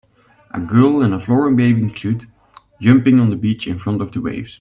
A girl in a floral bathing suit jumping on the beach in front of the waves.